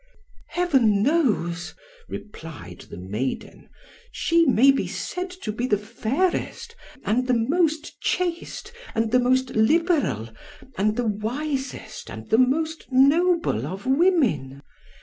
"Heaven knows," replied the maiden, "she may be said to be the fairest, and the most chaste, and the most liberal, and the wisest, and the most noble of women.